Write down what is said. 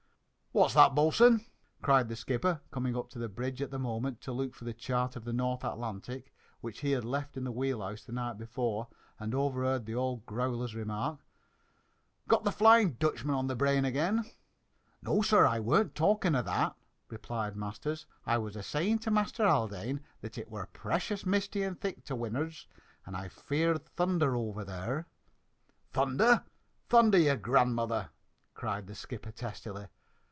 "What's that, bo'sun?" cried the skipper, coming up on the bridge at the moment to look for the chart of the North Atlantic, which he had left in the wheel house the night before, and overheard the old growler's remark. "Got the Flying Dutchman on the brain again?" "No, sir, I weren't talking o' that," replied Masters. "I was a saying to Master Haldane that it were precious misty and thick to win'ard and I feared thunder over there." "Thunder! thunder your grandmother!" cried the skipper testily.